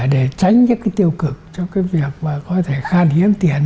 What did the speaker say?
để tránh những cái tiêu cực trong cái việc mà có thể khan hiếm tiền